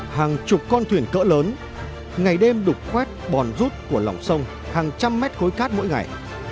hàng chục con thuyền cỡ lớn ngày đêm đục khoét bòn rút của lòng sông hàng trăm mét khối cát mỗi ngày